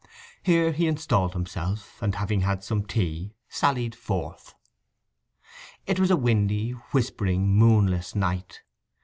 Here he installed himself, and having had some tea sallied forth. It was a windy, whispering, moonless night.